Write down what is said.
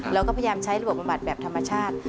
เราก็พยายามใช้ระบบบำบัดแบบธรรมชาติ